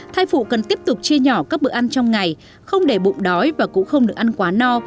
thai phụ cần tiếp tục chia nhỏ các bữa ăn trong ngày không để bụng đói và cũng không được ăn quá no